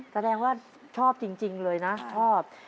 แสดงว่าชอบจริงเลยนะชอบ